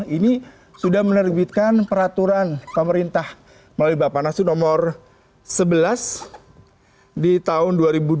ini sudah menerbitkan peraturan pemerintah melalui bapak nasu nomor sebelas di tahun dua ribu dua puluh